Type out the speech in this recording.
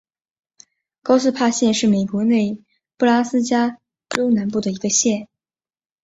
高斯帕县是美国内布拉斯加州南部的一个县。